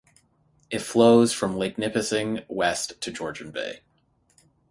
It flows from Lake Nipissing west to Georgian Bay.